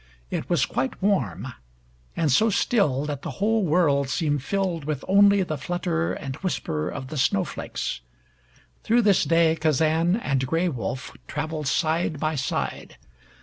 It was quite warm, and so still that the whole world seemed filled with only the flutter and whisper of the snowflakes. Through this day Kazan and Gray Wolf traveled side by side.